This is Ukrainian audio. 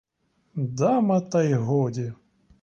Дама, та й годі!